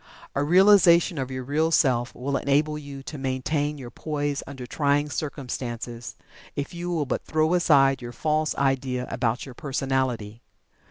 A realization of your Real Self will enable you to maintain your poise under trying circumstances, if you will but throw aside your false idea about your personality.